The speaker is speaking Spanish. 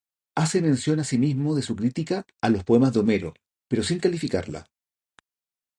Hace mención asimismo de su crítica a los poemas de Homero, pero sin calificarla.